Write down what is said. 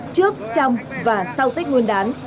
trước trong và sau tết nguyên đán